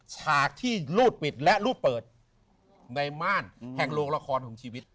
ฉากที่รูดปิดและรูดเปิดในม่านแห่งโรงละครของชีวิต